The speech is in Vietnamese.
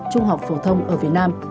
trung học phổ thông ở việt nam